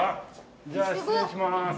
じゃあ失礼します。